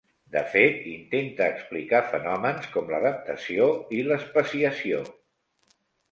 De fet, intenta explicar fenòmens com l'adaptació i l'especiació.